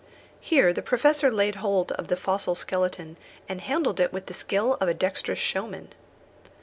Here the Professor laid hold of the fossil skeleton, and handled it with the skill of a dexterous showman.